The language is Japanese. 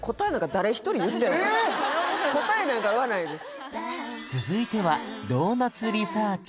答えなんか言わないです